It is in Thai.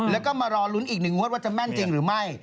แล้วก็มารอลุ้นอีกหนึ่งงวดว่าจะแม่นจริงหรือไม่